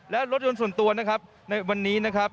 และรถยนต์ส่วนตัวนะครับในวันนี้นะครับ